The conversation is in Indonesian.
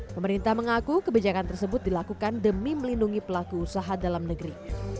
pemerintah mengaku kebijakan tersebut dilakukan demi melindungi pelaku usaha dalam negeri